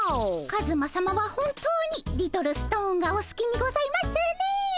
カズマさまは本当にリトルストーンがお好きにございますねえ。